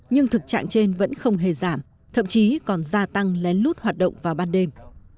nhưng thực trạng trên vẫn không hề giảm thậm chí còn gia tăng lén lút hoạt động vào ban đêm